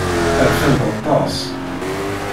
Rfant aṭas.